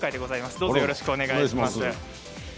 よろしくお願いします。